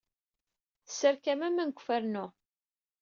Tesserkamemt aman deg ufarnu.